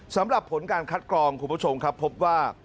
สำหรับผลการคัดกรองคุณผู้ชมครับพบว่า